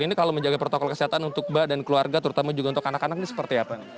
ini kalau menjaga protokol kesehatan untuk mbak dan keluarga terutama juga untuk anak anak ini seperti apa